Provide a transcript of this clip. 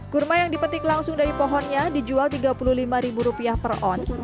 kurma yang dipetik langsung dari pohonnya dijual rp tiga puluh lima per ons